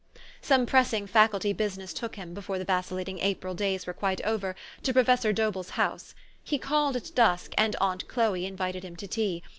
Some pressing Faculty business took him, before the vacillating April days were quite over, to Pro fessor Dobell's house. He called at dusk, and aunt Chloe invited him to tea.